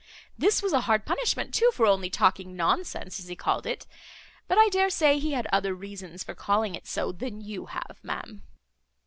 This was a hard punishment too, for only talking nonsense, as he called it, but I dare say he had other reasons for calling it so, than you have, ma'am."